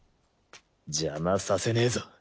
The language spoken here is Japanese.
邪魔させねえぞ。